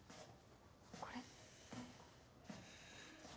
これって。